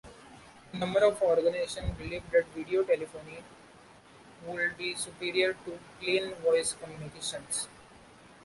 A number of organizations believed that videotelephony would be superior to plain voice communications.